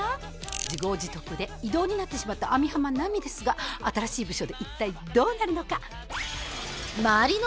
自業自得で異動になってしまった網浜奈美ですが新しい部署で一体どうなるのか？